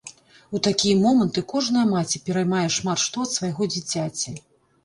У такія моманты кожная маці пераймае шмат што ад свайго дзіцяці.